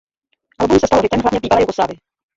Album se stalo hitem hlavně v bývalé Jugoslávii.